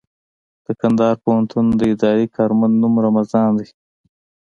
د کندهار پوهنتون د اداري کارمند نوم رمضان دئ.